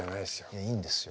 いやいいんですよ。